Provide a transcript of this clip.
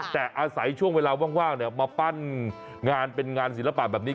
แต่อาศัยช่วงเวลาว่างมาปั้นงานเป็นงานศิลปะแบบนี้